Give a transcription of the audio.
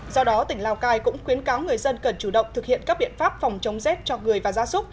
do đó tỉnh lào cai cũng khuyến cáo người dân cần chủ động thực hiện các biện pháp phòng chống z